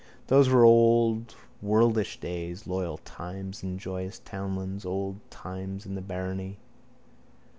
Those were old worldish days, loyal times in joyous townlands, old times in the barony.